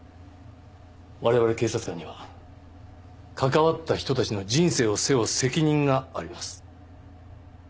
我々警察官には関わった人たちの人生を背負う責任があります。